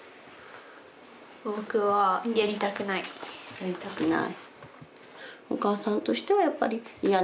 やりたくない？